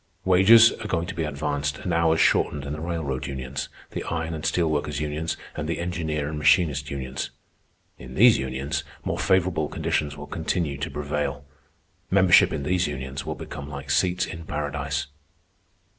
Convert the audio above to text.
Wages are going to be advanced and hours shortened in the railroad unions, the iron and steel workers unions, and the engineer and machinist unions. In these unions more favorable conditions will continue to prevail. Membership in these unions will become like seats in Paradise."